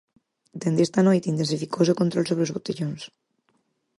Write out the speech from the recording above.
Dende esta noite intensificouse o control sobre os botellóns.